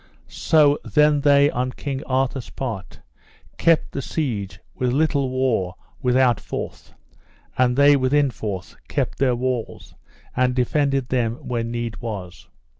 So then they on King Arthur's part kept the siege with little war withoutforth; and they withinforth kept their walls, and defended them when need was.